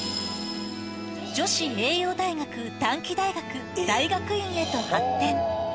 女子栄養大学・短期大学、大学院へと発展。